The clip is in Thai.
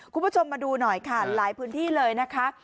คุณผู้ชมมาดูหน่อยค่ะหลายพื้นที่เลยนะคะ